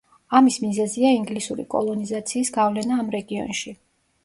ამის მიზეზია ინგლისური კოლონიზაციის გავლენა ამ რეგიონში.